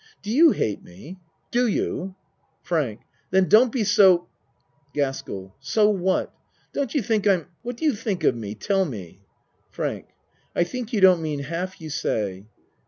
Do you hate me! Do you? FRANK Then don't be so GASKELL So what ? Don't you think I'm What do you think of me? Tell me. FRANK I think you don't mean half you say.